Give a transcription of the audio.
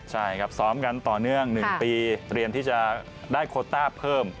ใช่ครับซ้อมกันต่อเนื่อง๑ปีเตรียมที่จะได้โคต้าเพิ่ม